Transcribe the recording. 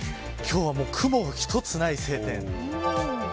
今日は雲一つない晴天。